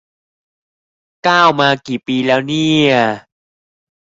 ก้าวมากี่ปีแล้วเนี่ย